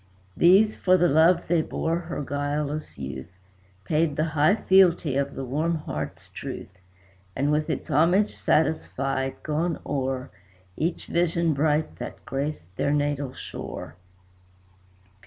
These, for the love they bore her guileless youth, Paid the high fealty of the warm heart's truth; And with its homage satisfied, gone o'er Each vision bright that graced their natal shore.